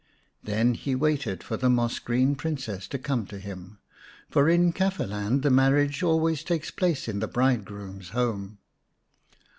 Then he waited for the moss green Princess to come to him, for in Kafir land the marriage always takes place in the bridegroom's home.